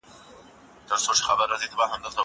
زه اوس سبزېجات جمع کوم!!